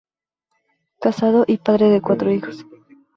Casado y padre de cuatro hijos.